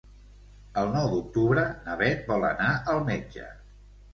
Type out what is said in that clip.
El nou d'octubre na Beth vol anar al metge.